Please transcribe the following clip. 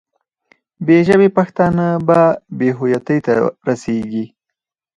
بې ژبې پښتانه به بې هویتۍ ته رسېږي.